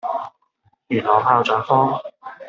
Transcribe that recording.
元朗炮仗坊